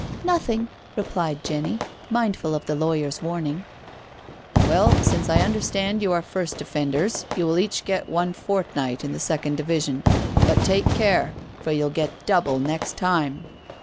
" Nothing/' replied Jenny, mindful of the lawyer's warning. " Well, since I understand you are first offenders, ydu will each get one fortnight in the second division^ but take care, for you'll get double next time.